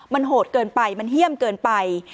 มันโหดเกินไปมันเฮี่ยมเกินไป